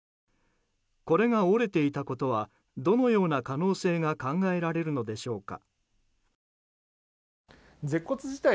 これが折れていたことはどのような可能性が考えられるのでしょうか。